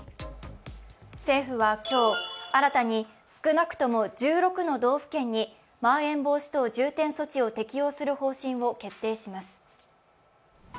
政府は今日、新たに少なくとも１６の道府県にまん延防止等重点措置を適用する方針を決定します。